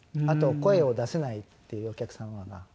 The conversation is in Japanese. あと声を出せないっていうお客様が。